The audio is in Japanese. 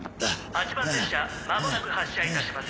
「８番電車まもなく発車いたします」